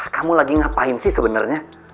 kamu lagi ngapain sih sebenarnya